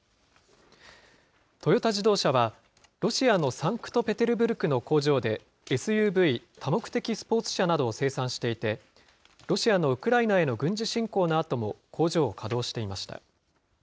トヨタ自動車は、ロシアのサンクトペテルブルクの工場で、ＳＵＶ・多目的スポーツ車などを生産していて、ロシアのウクライナへの軍事侵攻のあとも、工場を稼働していました。